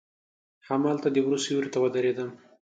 هملته د وره سیوري ته ودریدم.